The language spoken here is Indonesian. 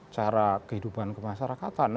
cara kehidupan kemasyarakatan